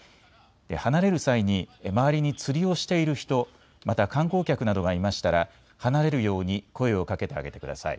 離れる際に周りに釣りをしている人、また観光客などがいましたら離れるように声をかけてあげてください。